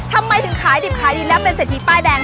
ทำไมถึงขายดิบขายดีแล้วเป็นเศรษฐีป้ายแดง